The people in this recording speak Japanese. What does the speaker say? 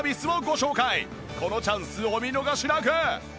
このチャンスお見逃しなく！